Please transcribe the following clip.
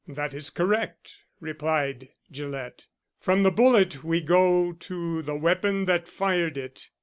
"That is correct," replied Gillett. "From the bullet we go to the weapon that fired it.